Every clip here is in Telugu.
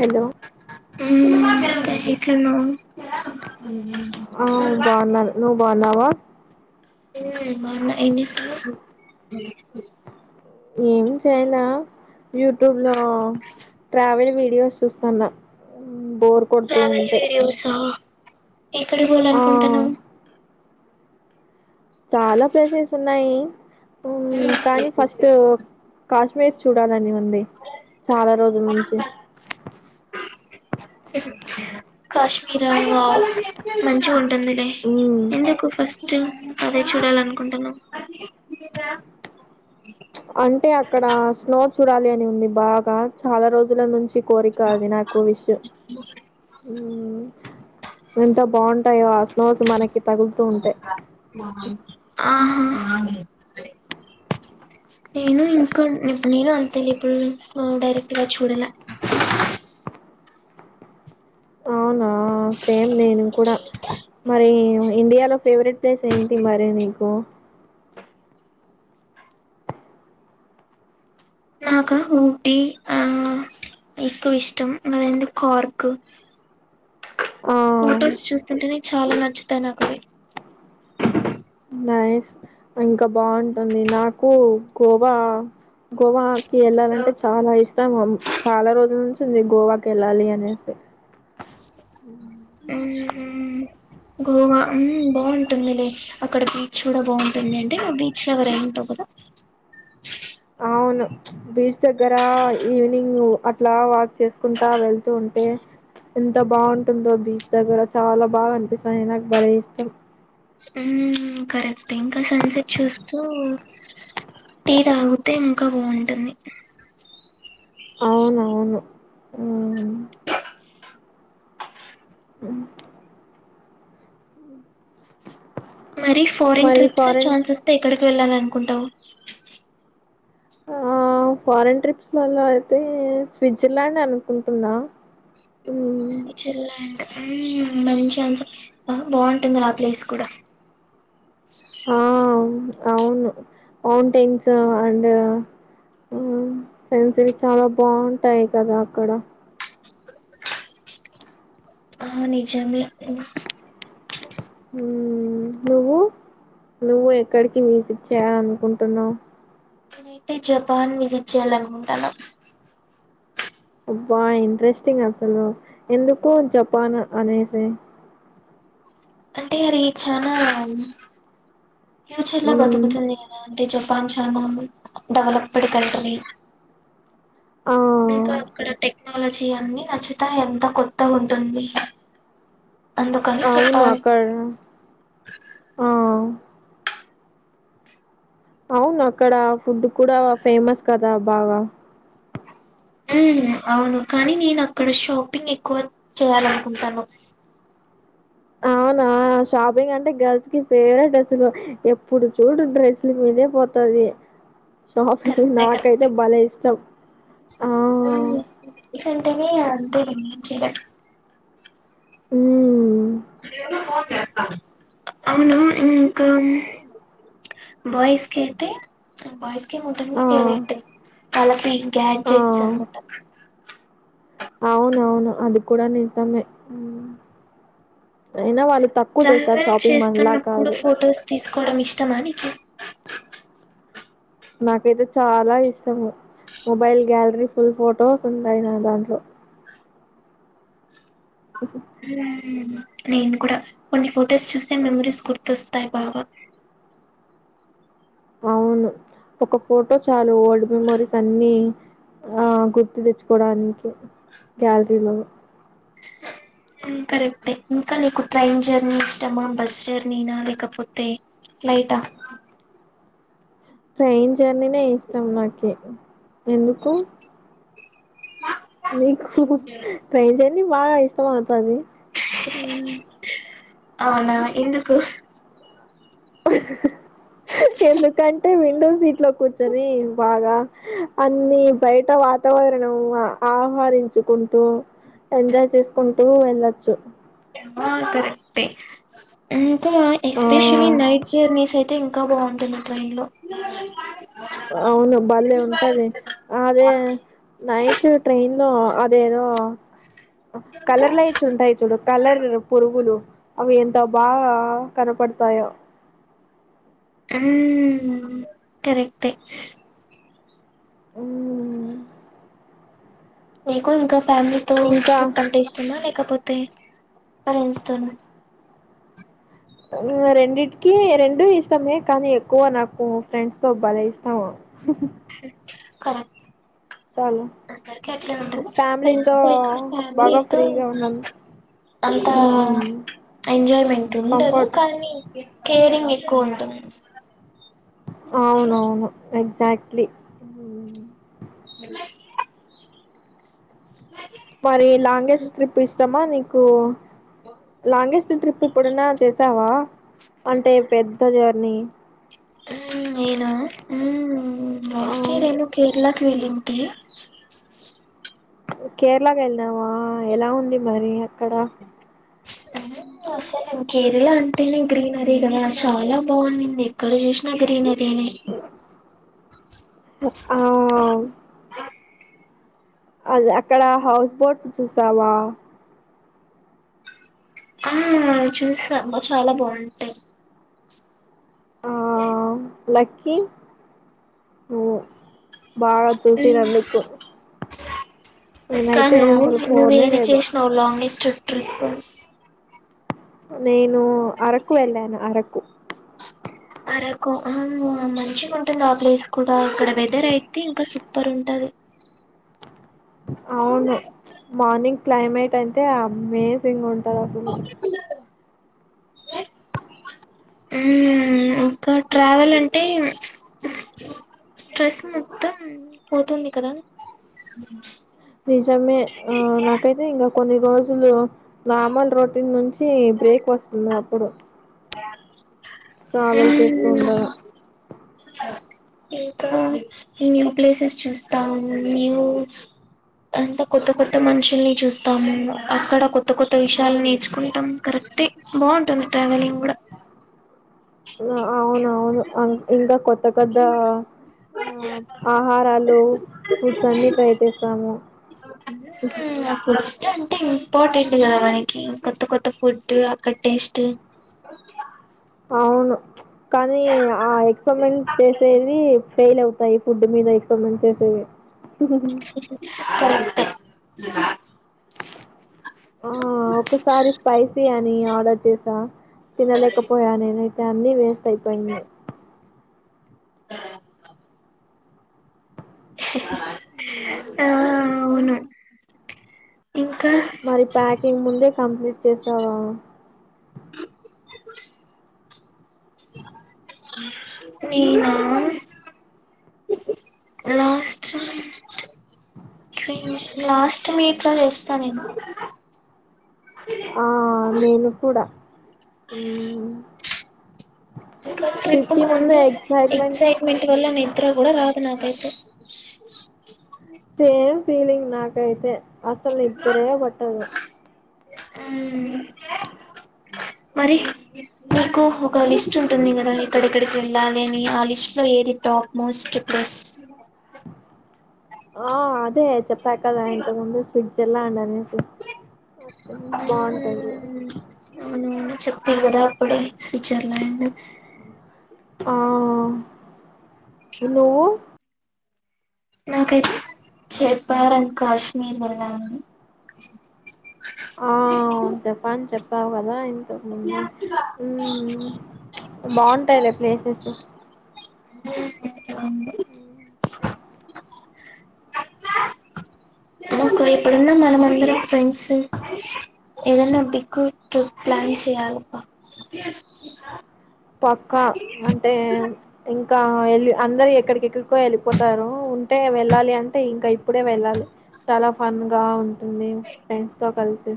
హలో ఉమ్ ఎట్లున్నావ్ ఆ బాగున్నాను నువ్వు బాగున్నావా ఎం చేస్తున్నావు ఏం చేయాల యూట్యూబ్ లో ట్రావెల్ వీడియోస్ చూస్తాన్న బోర్ కొడుతూ ఉంటే ఎక్కడకి ఆ పోవాలనుకుంటాన్నావు చాలా ప్లేసెస్ ఉన్నాయి కానీ ఫస్ట్ కాశ్మీ పేస్ చూడాలని వుంది చాలా రోజుల నుంచి కాశ్మీరా మంజు అంట తోమిథై ఉమ్, ఎందుకు ఫస్ట్ ఇష్టం అదే చూడాలని అనుకుంటున్నాం అంటే అక్కడ స్నో చూడాలి అని ఉంది బాగా చాలా రోజుల నుంచి కోరిక అది నాకు విష్ ఉమ్ ఎంత బాగుంటాయో అ స్లోస్ మనకి తగులుతూ ఉంటే ఆహా నేను ఇంకా నేను అంతే ఎప్పుడు స్లో డైరెక్ట్ గా చూడాల అవునా సేమ్ నేను కూడా మరి ఇండియాలో ఫేవరెట్ ప్లేస్ ఏంటి మరి నీకు నాకా ఊటి ఆ ఎక్కువ ఇష్టం అందే కార్క్ ఆ ఫొటోస్ చూస్తుంటేనే చాలా నచ్చుతాయి నాకవి నైస్ ఇంకా బాగుంటుంది నాకు గోవా గోవా వెళ్ళాలంటే చాలా ఇష్టం చాలా రోజుల నుంచి ఉంది గోవాకి వెళ్ళాలి అనేసి అమ్ గోవా ఉమ్ బాగుంటుందిలే అక్కడ బీచ్ కూడా బాగుంటుంది అంటే బీచ్ లవర్ అయిఉంటావ్ కదా అ బీచ్ దగ్గర ఈవినింగ్ అట్లా వాక్ చేసుకుంటా వెళ్తూ ఉంటే ఎంత బాగుంటుందో బీచ్ దగ్గర చాలా బాగా అనిపిస్తానే నాకు భలే ఇష్టం ఉమ్ కరెక్ట్ ఇంకా సన్సెట్ చూస్తూ టీ తాగుతే ఇంకా బాగుంటుంది అవునవును ఉమ్ అమ్ మరి ఫారెన్ మరి ట్రిప్స్ ఫారెన్ ఛాన్స్ వస్తే ఎక్కడికి వెళ్ళాలి అనుకుంటావు ఆ ఆ ఫారెన్ ట్రిప్స్ వల్ల అయితే స్విట్జర్లాండ్ అనుకుంటున్నా మ్మ్. స్విట్జర్లాండ్ ఉమ్ మంచి అన్సార్ బా బాగుంటుంది ఆ ప్లేస్ కూడా ఆ ఉమ్ అవును మౌంటైన్స్ అండ్ ఉమ్ సెన్సారీ చాలా బాగుంటాయి కదా అక్కడ ఆ నిజమే ఉమ్ ఉమ్ నువ్వు నువ్వు ఎక్కడికి విజిట్ చేయాలి అనుకుంటున్నావు నేనైతే జపాన్ విజిట్ చేయాలనుకుంటనా అబ్బా ఇంట్రెస్టింగ్ అసలు ఎందుకో జపాన్ అనేసే అంటే అది చనా ఫ్యూచర్ లా మ్మ్. బతుకుతుంది కదా అని అంటే జపాన్ చానా డెవలప్డ్ కంట్రీ ఆ ఇంకా అక్కడ టెక్నాలజీ అన్ని నచ్చుతా ఎంత కొత్తగా ఉంటుంది అ అందుకని అవును చెప్పాలి అక ఆ అవును అక్కడ ఫుడ్ కూడా ఫేమస్ కదా బాగా ఉమ్ అవును కానీ నేను అక్కడ షాపింగ్ ఎక్కువ చేయాలనుకుంటాను ఆ నా షాపింగ్ అంటే గర్ల్స్ కి ఫేవరెట్ డ్రెస్సులు ఎప్పుడు చూడు డ్రెస్సుల మీద పోతది షాపింగ్ కరెక్టే నాకైతే బలే ఇష్టం ఆ! ఉ సెంటనే అంతే చేయలేదు ఉమ్ ఉమ్మ్ ఉమ్మ్ బాయ్స్ కైతే బాయ్స్ కి ఆ! [unintelligible] ఫేవరెట్ కలకిన్ గ్యాడ్జెట్స్ అన్నమాట అవును అవును కూడా నిజమే ఉ అయినా వాళ్ళ ట్రావెల్ చేస్తున్నప్పుడు ఫొటోస్ తీసుకోవడం ఇష్టమా నీకు నాకైతే చాలా ఇష్టము మొబైల్ గ్యాలరీ ఫుల్ ఫొటో ఉంటాయి నా దాంట్లో ఉమ్ నేను కూడా కొన్ని ఫొటోస్ చూస్తే మెమరీస్ గుర్తుకొస్తాయి బాగా అవును ఒక ఫోటో చాలు ఓల్డ్ మెమోరీస్ అన్ని ఆ గుర్తు తెచ్చుకోడానికి గ్యాలరీలో ఉమ్ కరెక్టే ఇంకా నీకు ట్రైన్ జర్నీ ఇష్టమా బస్ జర్నీనా లేకపోతే లైటా ట్రైన్ జర్నీనే ఇష్టాం నాకే ఎందుకు నీకు ట్రైన్ జర్నీ బాగా ఇష్టం అవుతది అవునా ఎందుకు ఎందుకంటే విండో సీట్ లో కూర్చొని బాగా అన్ని బయట వాత వాతావరణం ఆహరించుకుంటూ ఎంజాయ్ చేసుకుంటూ వెళ్ళచ్చు ఆ కరెక్టే ఇంకా ఆ ఎస్పెషలీ నైట్ జర్నీస్ అయితే అయితే ఇంకా బాగుంటుంది ట్రైన్ లో అవును బలే ఉంటది అదే నైట్ ట్రైన్ లో అదేదో కలర్ లైట్స్ ఉంటాయి చూడు కలర్ పురుగులు అవి ఎంతో బా కనపడతాయో ఉమ్మ్ కరెక్టే ఉ నీకు ఇంకా ఫ్యామిలీతో ఇంకా ట్రిప్ అంటే ఇష్టమా లేకపోతే పేరెంట్స్ తో నా రెండిటికి రెండు ఇష్టమే కానీ ఎక్కువ నాకు ఫ్రెండ్స్ తో భలే ఇష్టము హు కరెక్ట్ చాలు అందరికి అట్లా ఉంటది ఫ్రెండ్స్ ఫ్యామిలీతో బాగా ఫ్యామిలీతో ఫ్రీగా ఉన్నాను అంతా మ్మ్ ఎంజాయ్మెంట్ ఉండదు కంఫర్ట్ కానీ కేరింగ్ ఎక్కువ ఉంటుంది అవునవును ఎగ్జాక్ట్లీ ఉమ్ మరి లాంగెస్ట్ ట్రిప్ ఇష్టమా నీకు లాంగెస్ట్ ట్రిప్ ఎప్పుడున్నా చేసావా అంటే పెద్ద జర్నీ హ నేనా ఆ ఆస్ట్రేలియాను కేరళ విలింటి నువ్వు కేరళకు వెళ్ళనావ ఎలా ఉంది మరి అక్కడ వసాలే కేరళ అంటేనే గ్రీనరీ కదా చాలా బాగుందింది ఎక్కడ చూసినా గ్రీనరీ తేనే ఆ అదే అక్కడ హౌస్ బోట్స్ చూసావా ఆ చూసిన చాలా బాగుంటాయి ఆ లక్కీ నువ్వు బాగా చూసినందుకు కా నేనైతే ను అసలు పోనే నువ్వేది లేదు చేసినవు లాంగెస్ట్ ట్రిప్పు నేను అరకు వెళ్ళాను అరకు అరకు మంచిగా ఉంటుంది ఆ ప్లేస్ కూడా అక్కడ వెదర్ అయితే ఇంకా సూపర్ ఉంటది అవును మార్నింగ్ క్లైమేట్ అంటే అమేజింగ్ ఉంటంది అసలు ఉమ్ ఇంకా ట్రావెల్ అంటే స్ట్రెస్ మొత్తం పోతుంది కదా నిజమే ఆ నాకైతే ఇంకా కొన్ని రోజులు నార్మల్ రొటీన్ నుంచి వచ్చి బ్రేక్ వస్తుంది అప్పుడు ట్రావెల్ ఉమ్ చేస్తూ ఉండగా ఇంకా న్యూ ప్లేసెస్ చూస్తాము న్యూ అంత కొత్త కొత్త మనుషుల్ని చూస్తాము అక్కడ కొత్త కొత్త విషయాలు నేర్చుకుంటాం కరెక్ట్ తే బాగుంటుంది ట్రావెలింగ్ కూడా ఆ అవును అవును ఇంకా కొత్తకద్ద ఆ ఆహారాలు ఫ్రూట్స్ అన్ని ట్రై చేస్తాము ఆ ఫుడ్ అంటే ఇంపార్టెంట్ కదా మనకి కొత్త కొత్త ఫుడ్ అక్కడ టేస్ట్ అవును కానీ ఆ ఎక్స్పరిమెంట్ చేసేది ఫెయిల్ తయి ఫుడ్ మీద ఎక్స్ప్రెన్వెంటర్స్ కరెక్ట్ ఆ ఒకసారి స్పైసీ అని ఆర్డర్ చేసా తినలేకపోయా నేను అన్ని వేస్ట్ అయిపోయింది ఆ మ్మ్. ఆ అవును ఇంకా మరి ప్యాకింగ్ ముందే కంప్లీట్ చేసావా నేనా లాస్ట్ లాస్ట్ మీ ఇట్లో చేస్తారేమో ఆ నేను కూడా ఊ ట్రిప్కి ముందే ఎక్సైట్మెంట్ వల్ల నిద్ర కూడా రాదు నాకైతే సేమ్ ఫీలింగ్ నాకైతే అసలు నిద్ద్రే పట్టదు మరి మీకు ఒక లిస్ట్ ఉంటుంది కదా ఎక్కడెక్కడికి వెళ్ళాలని ఆ లిస్ట్ లో ఏది టాప్ మోస్ట్ ప్లేస్ ఆ అదే చెప్పా కదా ఇంతకు ముందు స్విట్జర్లాండ్ అని ఉ ఊ చెప్పావు కదా అప్పుడే స్విట్జర్లాండ్ ఆ నువ్వు నాకైతే జపార్ అండ్ కాశ్మీర్ వెళ్ళా అండి ఆ చెప్పని చెప్పావు కదా ఇంతకు ముందే ఊ బాగుంటాయిలే ప్లేసెస్ ఉహు మాకు ఇప్పుడున్న మనమందరం ఫ్రెండ్స్ ఏదన్నా బిక్కు టు ప్లాన్ చేయాలి పా పక్కా అంటే ఇంకా వెళ్ళి అందరు ఎక్కడికెక్కడికో వెళ్ళిపోతారు ఉంటే వెళ్ళాలి అంటే ఇంకా ఇప్పుడే వెళ్ళాలి చాలా ఫన్ గా ఉ మేము ఫ్రెండ్స్తో కలిసి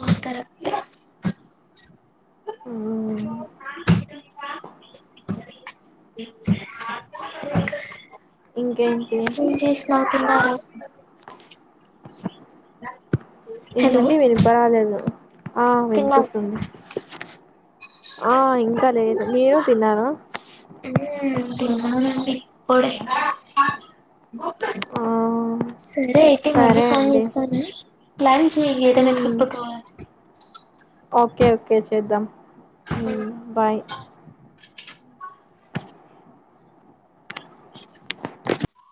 ఉ వత్తరు అంతే మ్మ్ ఇంకా ఇంకేంటి నిన్ చూసి నవ్వుతున్నారు హలో ఏందండి వినిప రాలేదు ఆ తిన్నావా వినిపిస్తుంది ఆ ఇంకా లేదు మీరు తిన్నారా తిన్నమండి ఇప్పుడే ఆ సరే అయితే మళ్ళీ సరే కాల్ అండి చేస్తాను ప్లాన్ చెయ్యి ఏదన్నా మ్మ్ ట్రిప్కి ఓకే ఓకే చేద్దాం ఉ బాయ్